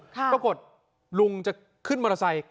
ปรากฏลุงจะขึ้นมอเตอร์ไซค์